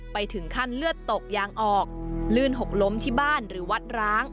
ไปถึงขั้นเลือดตกยางออกลื่นหกล้มที่บ้านหรือวัดร้าง